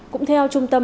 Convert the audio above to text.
cũng theo trung tâm